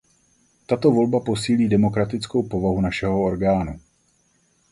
Tato volba posílí demokratickou povahu našeho orgánu.